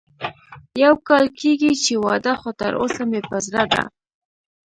يو کال کېږي چې واده خو تر اوسه مې په زړه ده